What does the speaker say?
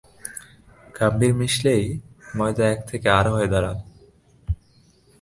খাম্বীর মিশলেই ময়দা এক থেকে আর হয়ে দাঁড়ান।